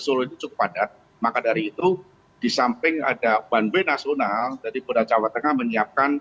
solo itu cukup padat maka dari itu di samping ada one way nasional dari polda jawa tengah menyiapkan